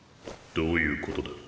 どういうことだ？